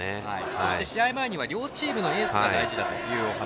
そして試合前には両チームのエースが大事だという話。